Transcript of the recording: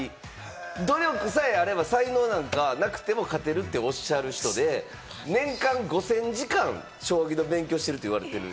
努力さえあれば才能なんかなくても勝てるっておっしゃる人で、年間５０００時間、将棋の勉強をしてるといわれている。